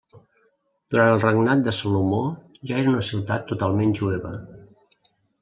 Durant el regnat de Salomó ja era una ciutat totalment jueva.